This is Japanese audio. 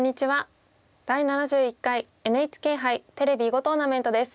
「第７１回ＮＨＫ杯テレビ囲碁トーナメント」です。